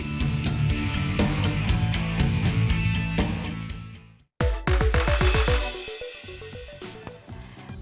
timnas sepak bola indonesia menang